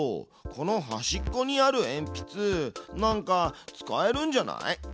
この端っこにあるえんぴつなんか使えるんじゃない？